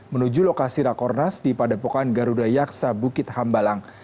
menuju lokasi rakornas di padepokan garuda yaksa bukit hambalang